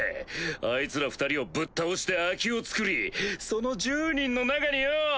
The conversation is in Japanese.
あいつら二人をぶっ倒して空きをつくりその１０人の中によぉ！